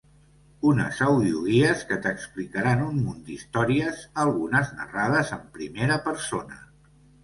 Unes audioguies que t'explicaran un munt d'històries, algunes narrades en primera persona.